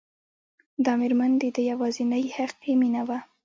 دا مېرمن د ده يوازېنۍ حقيقي مينه وه.